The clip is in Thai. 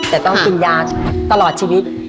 แต่ต้องกินยาตลอดชีวิต